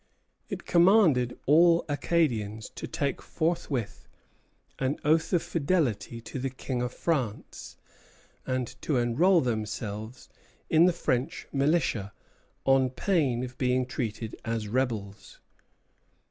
It commanded all Acadians to take forthwith an oath of fidelity to the King of France, and to enroll themselves in the French militia, on pain of being treated as rebels.